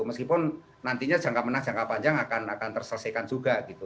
meskipun nantinya jangka menang jangka panjang akan terselesaikan juga gitu